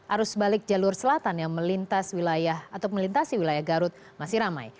arus balik jalur selatan yang melintasi wilayah garut masih ramai